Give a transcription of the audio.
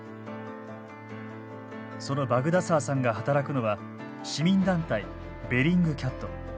そのバグダサーさんが働くのは市民団体べリングキャット。